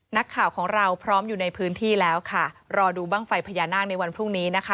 นักข่าวของเราพร้อมอยู่ในพื้นที่แล้วค่ะรอดูบ้างไฟพญานาคในวันพรุ่งนี้นะคะ